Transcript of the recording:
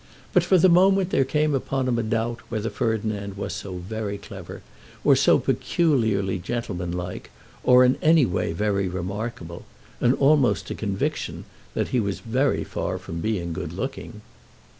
But for the moment there came upon him a doubt whether Ferdinand was so very clever, or so peculiarly gentlemanlike or in any way very remarkable, and almost a conviction that he was very far from being good looking.